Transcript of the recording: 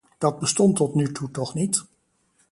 Dat bestond tot nu toe toch niet.